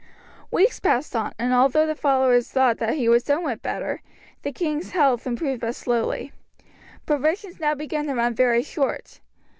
Weeks passed on, and although his followers thought that he was somewhat better, the king's health improved but slowly. Provisions now began to run very short.